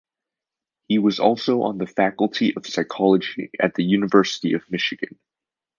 He was also on the faculty of psychology at the University of Michigan.